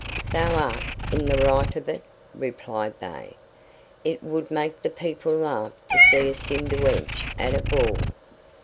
"Thou art in the right of it," replied they; "it would make the people laugh to see a Cinderwench at a ball."